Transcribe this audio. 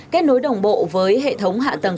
kết nối đồng bộ với hệ thống hạ tầng